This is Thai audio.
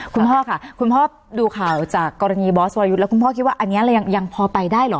คุณพ่อค่ะคุณพ่อดูข่าวจากกรณีบอสวรยุทธ์แล้วคุณพ่อคิดว่าอันนี้เรายังพอไปได้เหรอ